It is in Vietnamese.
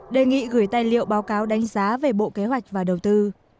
đề nghị gửi tài liệu báo cáo đánh giá về bộ kế hoạch và đầu tư